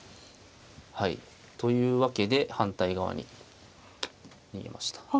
はいというわけで反対側に逃げました。